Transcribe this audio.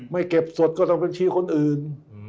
ไม่เก็บสดก็ต้องเป็นชีวิตคนอื่น